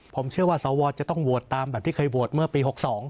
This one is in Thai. ผมเชื่อว่าสวจะต้องโหวตตามแบบที่เคยโหวตเมื่อปี๖๒